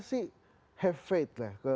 sih have faith lah ke